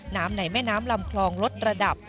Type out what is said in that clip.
น้ำไหน่แม่น้ำลำคลองลดระดับ